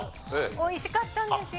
美味しかったんですよ。